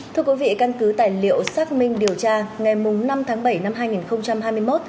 thưa quý vị căn cứ tài liệu xác minh điều tra ngày năm tháng bảy năm hai nghìn hai mươi một